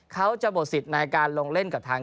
เขาจะหมดสิทธิ์ในการลงเล่นกับทาง